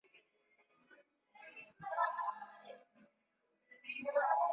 watu wengi hadi sasa wanaishi na ugonjwa wa upungufu wa kinga mwilini